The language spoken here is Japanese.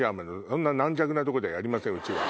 そんな軟弱なとこではやりませんうちは。